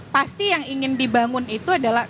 pasti yang ingin dibangun itu adalah